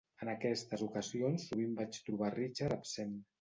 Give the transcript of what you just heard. En aquestes ocasions sovint vaig trobar Richard absent.